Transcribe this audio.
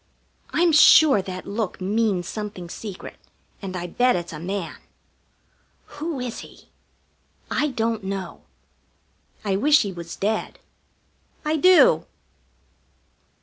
I'm sure that look means something secret, and I bet it's a man. Who is he? I don't know. I wish he was dead. I do!